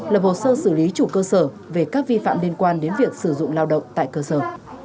lập hồ sơ xử lý chủ cơ sở về các vi phạm liên quan đến việc sử dụng lao động tại cơ sở